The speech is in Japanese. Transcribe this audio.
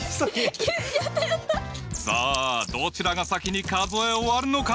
さあどちらが先に数え終わるのか？